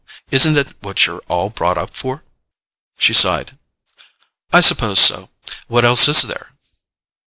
Isn't it what you're all brought up for?" She sighed. "I suppose so. What else is there?"